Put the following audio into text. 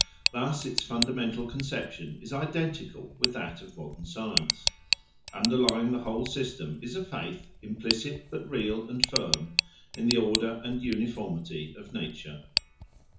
Thus its fundamental conception is identical with that of modern science; underlying the whole system is a faith, implicit but real and firm, in the order and uniformity of nature.